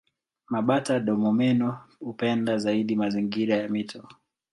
Mabata-domomeno hupenda zaidi mazingira ya mito.